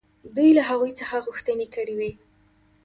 دوی له هغوی څخه غوښتنې کړې وې.